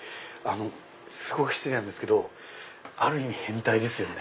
すごく失礼なんですけどある意味変態ですよね。